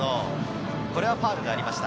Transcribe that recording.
ファウルがありました。